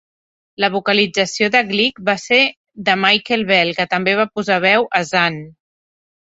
La vocalització de Gleek va ser de Michael Bell, que també va posar veu a Zan.